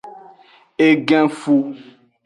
Egenfu.